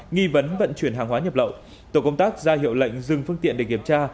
nghi vấn vận chuyển hàng hóa nhập lậu tổ công tác ra hiệu lệnh dừng phương tiện để kiểm tra